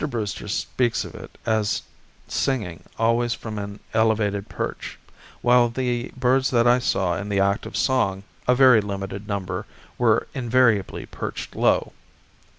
Brewster speaks of it as singing always from an elevated perch, while the birds that I saw in the act of song, a very limited number, were invariably perched low.